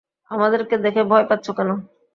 আমাদেরকে দেখে ভয় পাচ্ছো কেন?